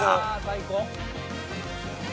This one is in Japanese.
最高！